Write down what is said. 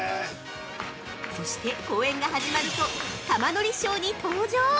そして、公演が始まると玉乗りショーに登場！